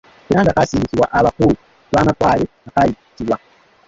Era nga kaasindikibwa abakulu b’Amatwale akayitibwa,